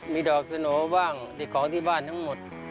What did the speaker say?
มีดอกสโหน่บ้างมีของที่บ้านทั้งหมด